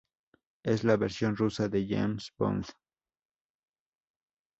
Es la versión rusa de James Bond.